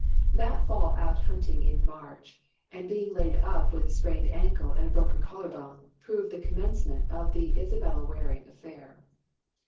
That fall out hunting in March, and being laid up with a sprained ankle and a broken collar bone, proved the commencement of the Isabella Waring affair.